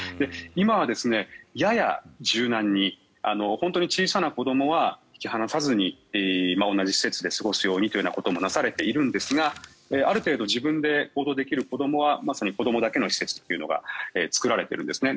今はやや柔軟に本当に小さな子どもは引き離さずに同じ施設で過ごすようにということもなされているんですがある程度自分で行動できる子どもはまさに子どもだけの施設が作られているんですね。